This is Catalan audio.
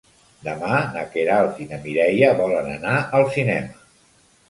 Demà na Queralt i na Mireia volen anar al cinema.